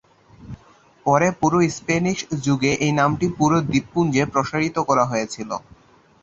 পরে পুরো স্প্যানিশ যুগে এই নামটি পুরো দ্বীপপুঞ্জে প্রসারিত করা হয়েছিল।